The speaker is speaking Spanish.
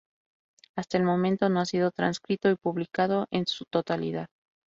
Hasta el momento no ha sido transcrito y publicado en su totalidad.